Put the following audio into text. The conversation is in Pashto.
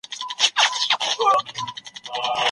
څه ډول تدریسي میتودونه د زده کوونکو لپاره ډېر اغېزناک دي؟